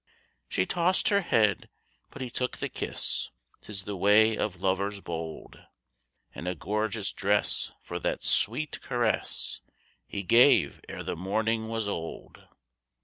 She tossed her head, but he took the kiss 'Tis the way of lovers bold And a gorgeous dress for that sweet caress He gave ere the morning was old.